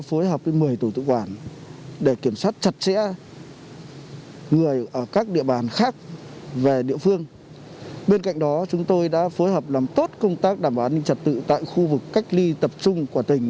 phối hợp với công an thành phố và lực lượng quân đội bảo đảm an ninh trẻ tự khu vực cách ly tập trung